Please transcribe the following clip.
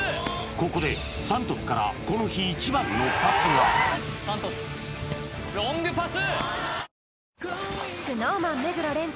ここで三都主からこの日一番のパスが三都主ロングパス